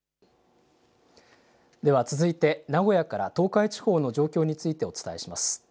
では続いて名古屋から東海地方の状況についてお伝えします。